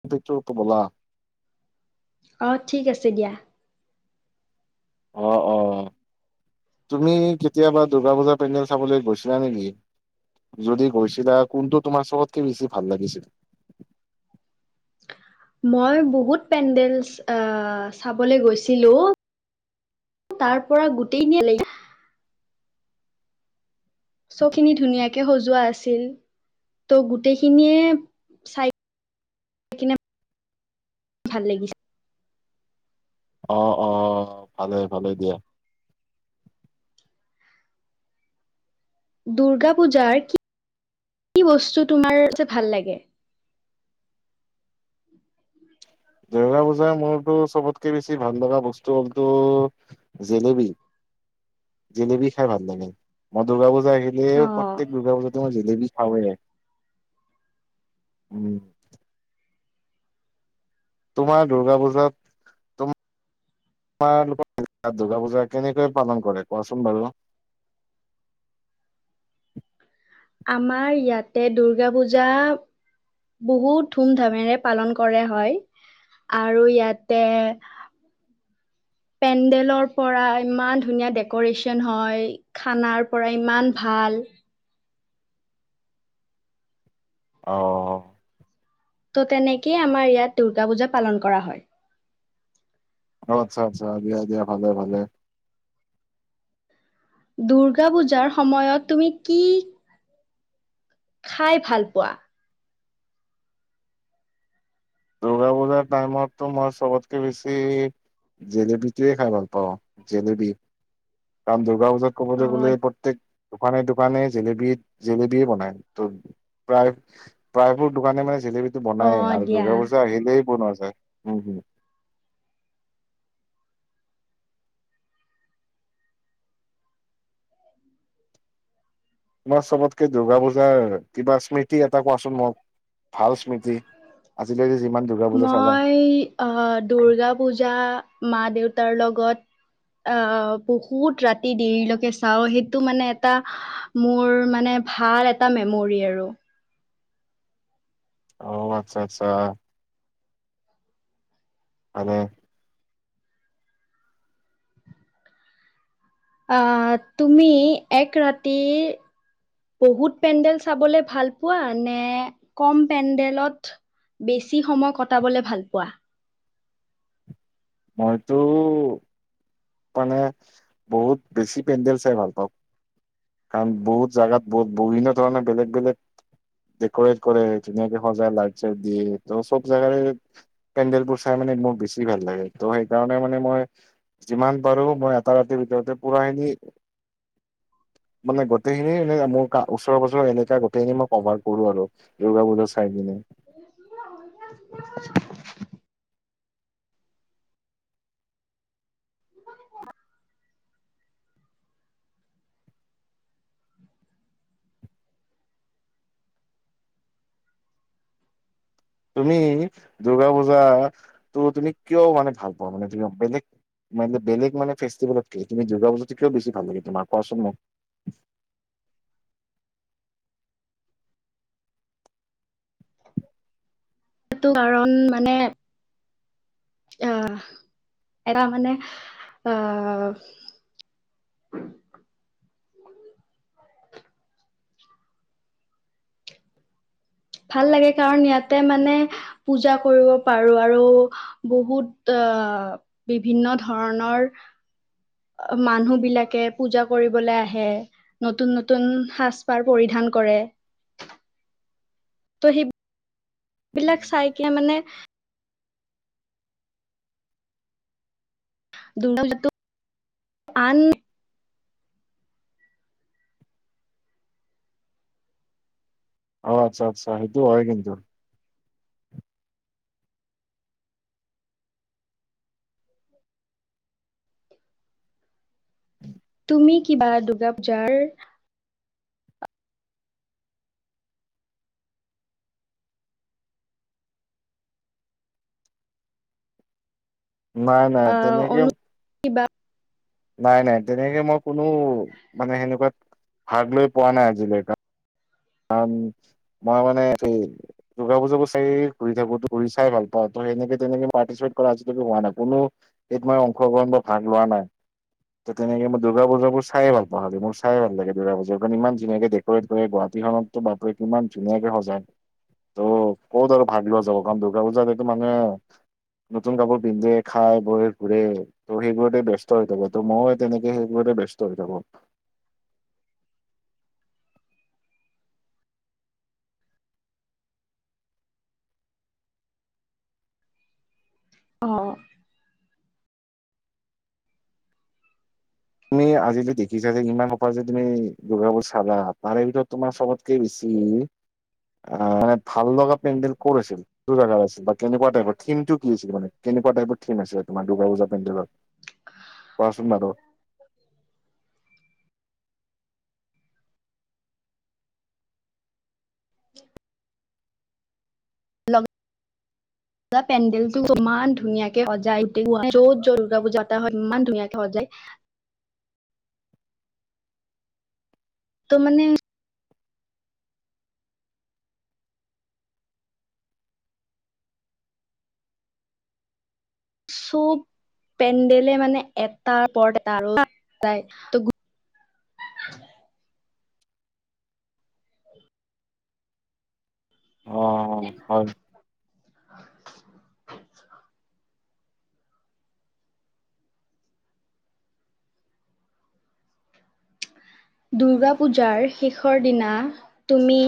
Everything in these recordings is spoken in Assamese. কিন্তুটোটো বলা অ ঠিক আছে দিয়া অ' অ' তুমি কেতিয়াবা দূৰ্গা পুজা পেণ্ডেল চাবলৈ গৈছিলা নেকি? যদি গৈছিলা কোনটো তোমাৰ চবতকে বেছি ভাল লাগিছিল? মই বহুত পেডেলছ আহ চাবলৈ গৈছিলো তাৰ পৰা গোটেখিনিয়ে বেলেগ চ খিনি ধুনীয়াকে সজোৱা আছিল ত' গোটেইখিনিয়ে চাই কিনে ভাল লাগিছে। অ অ ভালেই ভালে দিয়া দুূৰ্গা পূজাৰ কি কি বস্তু তোমাৰ যে ভাল লাগে দুৰ্গা পূজাৰ মোৰতো চবতকে বেছি ভাল লগা বস্তু হ'লটো জেলেপী। জেলেপী খাই ভাল লাগে। মই দুৰ্গা পুজা তই আহিলে অ প্ৰত্যেক দুৰ্গা পুজাতে মই জেলেপী হাউৰে তোমাৰ দুৰ্গা পূজাত তোমালোকৰ দুূৰ্গা পূজা কেনেকৈ পালন কৰে কোৱাচোন বাৰু? আমাৰ ইয়াতে দুূৰ্গা পূজা বহুত ধুম ধামেৰে পালন কৰে হয় আৰু ইয়াতে পেণ্ডেলৰ পৰা ইমান ধুনীয়া ডেকৰেচন হয়। খানাৰ পৰা ইমান ভাল অ' ত' তেনেকেই আমাৰ ইয়াত দুূৰ্গা পূজা পালন কৰা হয় আচ্ছা-আচ্ছা দিয়া-দিয়া ভালে-ভালে দুূৰ্গা পূজাৰ সময়ত তুমি কি খাই ভাল পোৱা সৰু ল'ৰা টাইমতো মই চবতকে বেছি জেলেপীটোৱে খাই ভাল পাওঁ। জেলেপী কাম দুৰ্গা ক'বলৈ গ'লে অ', প্ৰত্যেক দোকানে দোকানে জেলেপী জেলেপীয়ে বনায় ত প্ৰায় প্ৰায়বোৰ দোকানে মানে জেলেপীটো বনাইয়ে অ', আৰু দিয়া। দুৰ্গা পুজা আহিলেই বনোৱা যায় উম হম তোমাৰ চবতকে দুূৰ্গা পূজাৰ কিবা স্মৃতি এটা কোৱাচোন মোক? ভাল স্মৃতি আজিলৈকে যিমান দুৰ্গা পূজা চালা মই অ দুৰ্গা পূজা মা দেউতাৰ লগ ত আহ বহুত ৰাতি দেৰিলৈকে চাওঁ সেইটো মানে এটা মোৰ মানে ভাল এটা মেমৰি আৰু আহ আচ্ছা- আচ্ছা আনে অ তুমি এক ৰাতি বহুত পেণ্ডেল চাবলৈ ভাল পোৱা নে কম পেণ্ডেলত বেছি সময় কটাবলৈ ভাল পোৱা? মই তোৰ মানে বহুত বেছি পেণ্ডেল চাই ভাল পাওঁ। কাৰণ বহুত জাগাত বহুত বিভিন্ন ধৰণে বেলেগ -বেলেগ ডেক'ৰেট কৰে ধুনীয়াকে সজাই লাইত চাইত দিয়ে ত চবজাগাৰে পেন্ডেল বোৰ চাই মোৰ বেছি ভাল লাগে ত সেই কাৰণে মই যিমান পাৰো এটা ৰাতি ভিতৰতেই পোৰাখিনি মানে গোটেইখিনি এ মোৰ ওচৰে-পাজৰে এলেকা গোটেইখিনি মই কভাৰ কৰো আৰু দুৰ্গা পুজা চাই কিনে। [unintelligible] তুমি দুৰ্গা পূজাটো তুমি কিয় মানে ভাল পোৱা মানে তুমি বেলেগ বেলেগ মানে ফেষ্টিভেলতকৈ তুমি দূৰ্গা পূজাতো কিয় বেছি ভাল লাগে তোমাক কোৱাচোন মোক? সেইটো কাৰণ মানে অহ এটা মানে অহ ভাল লাগে কাৰণ ইয়াতে মানে পূজা কৰিব পাৰো আৰু বহুত আহ বিভিন্ন ধৰনৰ মানুহ বিলাকে পূজা কৰিবলৈ আহে নতুন- নতুন সাজ পাৰ পৰিধান কৰে। ত সেই বিলাক চাইকে মানে দুম আন অ আচ্ছা- আচ্ছা সেইটো হয় কিন্তু তুমি কিবা দুৰ্গা পূজাৰ নাই নাই আহ তেনেকে অনু কিবা নাই নাই তেনেকে মই কোনো মানে সেনেকুৱাত ভাগ লৈ পোৱা নাই আজিলৈকে। কাৰণ মই মানে দুৰ্গা পুজাতো চাই ঘূৰি থাকো, ঘূৰি চাই ভাল পাওঁ। তো সেনেকে তেনেকে পাৰ্টিচিপেট কৰা আজিলৈকে হোৱা নাই। কোনো হেৰিত মই অংশগ্ৰহণ বা ভাগ লোৱা নাই। তো তেনেকে দুৰ্গা পূজাবোৰ চাইয়ে ভাল পাওঁ [unintelligible] চাই ভাল লাগে দুৰ্গা পূজা খন ইমান ধুনীয়াকৈ ডেকৰেট কৰি গুৱা খনতো বাপৰেে কিমান ধুনীয়াকে সজায় ত' ক'ত আৰু ভাগ লোৱা যাব কাৰণ দুৰ্গা পুজাতেটো মানুহে নতুন কাপোৰ পিন্ধে খাই বৈ ঘুৰে ত' সেইবোৰতে ব্যস্ত হৈ থাকে ত মই তেনেকে সেইবোৰতে ব্যস্ত হৈ থাকো। অ তুমি আজি যে দেখিছা যে ইমান সোপাহ যে তুমি দুৰ্গা পুজা চালা তাৰে ভিতৰত তোমাৰ চবতকে বেছি আহ মানে ভাল লগা পেণ্ডেল কত আছিল কি জগাৰ আছিল বা কেনেকুৱা টাইপৰ থিমটো কি আছিল মানে কেনেকুৱা টাইপৰ থিম আছিলে তোমাৰ দুৰ্গা পূজা পেণ্ডেলৰ কোৱাচোন বাৰু? [inaudible] ধৰা পেণ্ডেলটো ইমান ধুনীয়াকে সজায়, য'ত য'ত দুৰ্গা পুজা এটা হয় ইমান ধুনীয়াকে সজায়। তো মানে চব পেণ্ডেলে মানে এটাৰ ওপৰত এটা সজায় আৰু অ হয়। দুৰ্গা পূজাৰ শেষৰ দিনা তুমি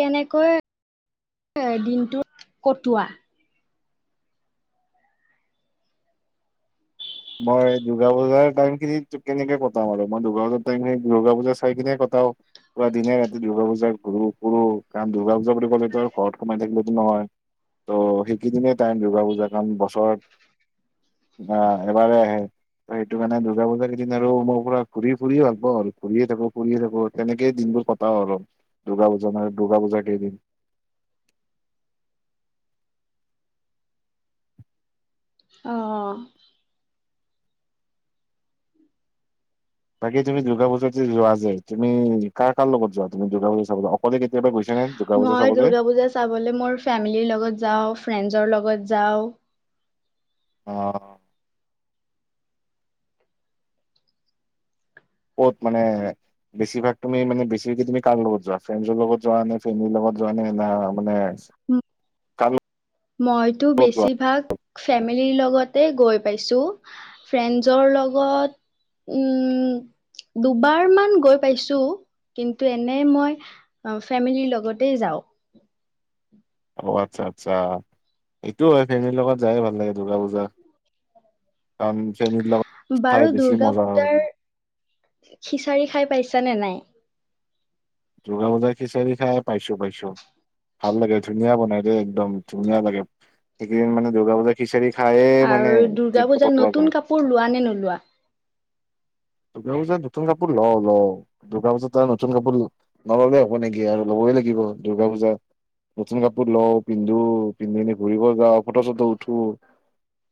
কেনেকৈ দিনটো কটোৱা? মই দুৰ্গা পূজাৰ টাইমখিনিত কেনেকে কটাও আৰু মই দুৰ্গা পূজাৰ টাইমখিনি দুৰ্গা পূজা চাই কিনে কটাও। পুৰা দিনে-ৰাতি দুৰ্গা পূজা ঘূৰো-ফুৰো কাৰণ দূৰ্গা পূজা বুলি ক'লেতো আৰু ঘৰত সোমাই থাকিলেতো নহয়। ত' সেইকেইদিনে টাইম দুৰ্গা পূজা, কাৰণ বছৰত আহ এবাৰে আহে ত সেইটো কাৰণে দ দুৰ্গা পূজা কেইদিন আৰু মই পুৰা ঘূৰি ফুৰিয়ে ভাল পাওঁ আৰু ঘূৰিয়েই থাকো ফুৰিয়ে থাকো তেনেকেই দিনবোৰ কটাওঁ আৰু দুূৰ্গা পূজা দুূৰ্গা পূজা কেইদিন। অহ বাকী তুমি দুৰ্গা পূজাত যে যোৱা যে তুমি কাৰ- কাৰ লগত যোৱা তুমি দুৰ্গা পূজা চাবলৈ অকলে কেতিয়াবা গৈছা? নে? দুৰ্গা পূজা মই চাবলৈ দূৰ্গা পূজা চাবলৈ মোৰ ফেমিলিৰ লগত যাওঁ। ফ্ৰেণ্ডছৰ লগত যাওঁ অহ। ক'ত মানে বেছিভাগ তুমি মানে বেছি তুমি কাৰ লগত যোৱা ফ্ৰেণ্ডৰ লগত যোৱা নে ফ্ৰেমেলিৰ লগত যোৱা নে না মানে কাৰ লগত? মইতো যোৱা? বেছিভাগ ফেমিলিৰ লগত তে গৈ পাইছো। ফ্ৰেণ্ডছৰ লগত উম দুবাৰ মান গৈ পাইছো, কিন্তু এনে মই ফেমিলিৰ লগতে যাওঁ। অ আচ্ছা-আচ্ছা। এইটো হয় ফেমিলিৰ লগত যায় ভাল লাগে দুৰ্গা পূজা। কাৰণ ফেমিলিৰ লগত বাৰু খাই বেছি দুৰ্গা মজা আৰু পূজাৰ খিচাৰি খাই পাইছ নে নাই? দূৰ্গা পূজাৰ খিচাৰি খাই পাইছো পাইছো, ভাল লাগে ধুনীয়া বনাই দেই একদম, ধুনীয়া লাগে। এইকেইদিন মানে দূৰ্গা পূজাৰ খিচাৰি খায়ে মানে আৰু দুৰ্গা দিনটো পূজাত কটোৱা যায় নতুন কাপোৰ লোৱা নে নোলোৱা দূৰ্গা পূজাত নতুন কাপোৰ লও লও। দূৰ্গা পূজাত‌ আৰু নতুন কাপোৰ নল'লে হব নেকি আৰু। লবই লাগিব। দূৰ্গা পূজাত নতুন কাপোৰ লও, পিন্ধো, পিন্ধিপিনে ঘূৰিব যাও ফটো চটো উঠো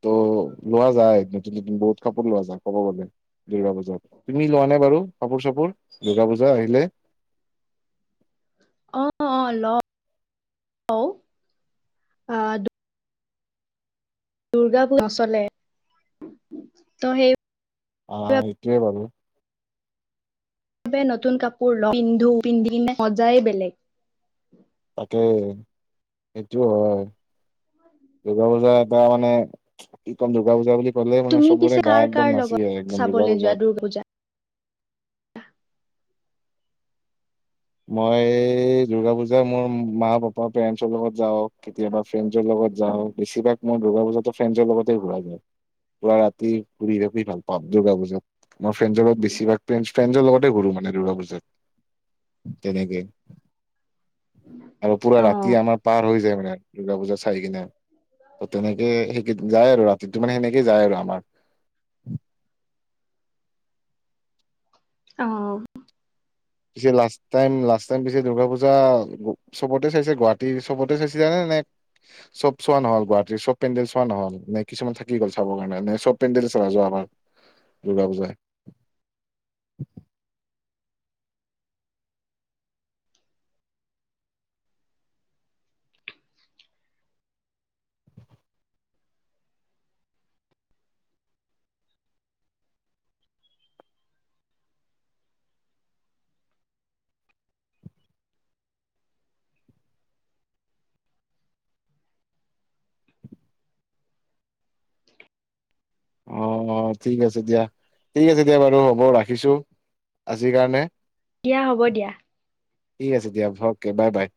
তো লোৱা যায় । নতুন নতুন বহুত কাপোৰ লোৱা যায় কব গলে। দুৰ্গা পূজাত তুমি লোৱা নে বাৰু কাপোৰ চাপোৰ দুূৰ্গা পূজা আহিলে? অ অ ল ঔ অহ দুৰ্গা পু নচলে তো সেই আহ সেইটোৱে বাৰু চবে নতুন কাপোৰ ল, পিন্ধো, পিন্ধিকিনে মজাই বেলেগ। তাকেই সেইটোও হয় দুৰ্গা পূজা এটা মানে, কি ক'ম দুৰ্গা পূজা বুলি গ'লে মানে তুমি চবৰে পিছে গা কাৰ কাৰ একদম নাচি লগত যাই একদম দুৰ্গা চাবলৈ যোৱা পুজাত। দুৰ্গা পূজা? মই-ই দুৰ্গা পূজা মোৰ মা পাপা পেৰেণ্ডছৰ লগত যাওঁ কেতিয়াবা ফ্ৰেণ্ডছৰ লগত যাওঁ। বেছিভাগ মোৰ দূৰ্গা পূজাততো ফ্ৰেণ্ডছৰ লগতে ঘূৰা যাই পুৰা ৰাতি ঘূৰি থাকি ভাল পাও দূৰ্গা পূজাত। মই ফ্ৰেণ্ডৰ লগত বেছিভাগ ফ ফ্ৰেণ্ডছৰ লগতে ঘুৰো মানে দুৰ্গা পূজাত। কেনেকে আৰু পুৰা ৰাতি অ', আমাৰ পাৰ হৈ যায় দুৰ্গা পূজা চাই কিনে অ তেনেকে সেই কেইদিন যায় আৰু দিনটো মানে সেনেকে যায় আৰু আমাৰ। অহ। পিছে লাষ্ট টাইম লাষ্ট টাইম পিছে দূৰ্গা পূজা চবতে চাইছে গুৱাহাটীৰ চবতে চাইছিলা নে চব চোৱা নহল গুৱাহাটীৰ চব পেণ্ডেল চোৱা নহল নে কিছুমান থাকি গল চাবৰ কাৰণে নে চব পেণ্ডেলে চালা যোৱাবাৰ দুৰ্গা পূজা। অ' অ' ঠিক আছে দিয়া ঠিক আছে দিয়া বাৰু হ'ব ৰাখিছো আজিৰ কাৰণে। দিয়া হ'ব দিয়া। ঠিক আছে দিয়া অকে বাই বাই।